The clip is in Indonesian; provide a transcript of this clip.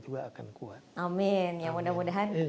juga akan kuat amin ya mudah mudahan